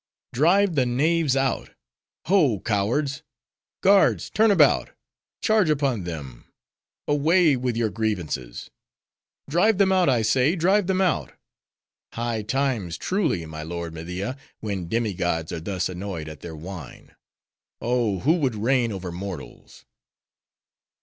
"Drive the knaves out! Ho, cowards, guards, turn about! charge upon them! Away with your grievances! Drive them out, I say, drive them out!—High times, truly, my lord Media, when demi gods are thus annoyed at their wine. Oh, who would reign over mortals!"